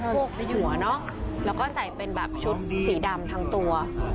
พวกขยัวเนอะแล้วก็ใส่เป็นแบบชุดสีดำทั้งตัว